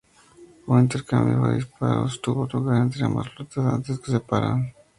Un intercambio de disparos tuvo lugar entre ambas flotas antes de que se separaran.